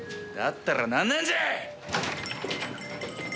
だったら何なんじゃい！